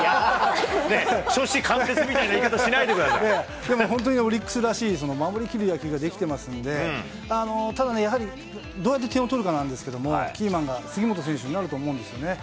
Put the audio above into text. ねぇ、初志貫徹みたいな言いでも本当にね、オリックスらしい守りきる野球ができてますんで、ただね、やはりどうやって点を取るかなんですけど、キーマンが杉本選手になると思うんですよね。